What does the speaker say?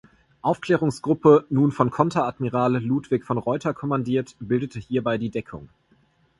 Aufklärungsgruppe, nun von Konteradmiral Ludwig von Reuter kommandiert, bildete hierbei die Deckung.